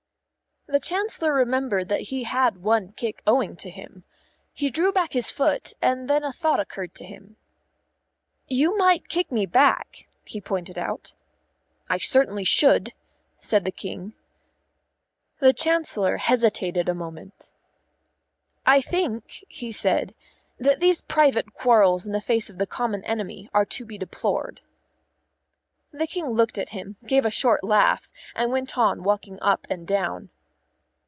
The Chancellor remembered that he had one kick owing to him. He drew back his foot, and then a thought occurred to him. "You might kick me back," he pointed out. "I certainly should," said the King. The Chancellor hesitated a moment. "I think," he said, "that these private quarrels in the face of the common enemy are to be deplored." The King looked at him, gave a short laugh, and went on walking up and down.